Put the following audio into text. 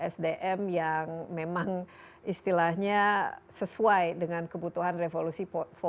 sdm yang memang istilahnya sesuai dengan kebutuhan revolusi empat